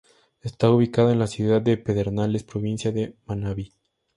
Está ubicado en la ciudad de Pedernales, provincia de Manabí.